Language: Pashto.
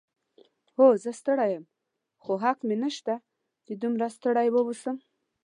هو، زه ستړی یم، خو حق مې نشته چې دومره ستړی واوسم.